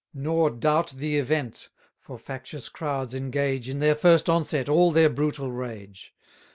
Nor doubt the event: for factious crowds engage, In their first onset, all their brutal rage.